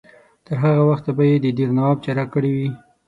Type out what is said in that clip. تر هغه وخته به یې د دیر نواب چاره کړې وي.